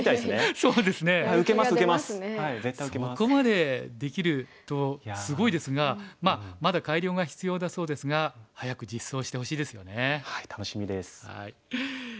そこまでできるとすごいですがまだ改良が必要だそうですが早く実装してほしいですよね。